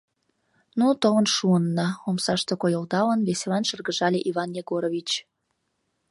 — Ну, толын шуынна, — омсаште койылдалын, веселан шыргыжале Иван Егорович.